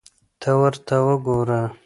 ته ورته وګوره !